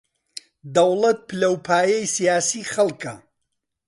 دەوڵەت پلە و پایەی سیاسیی خەڵکە